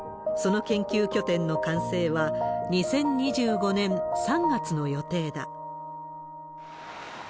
その研究拠点の完成は２０２５年３月の予定だ。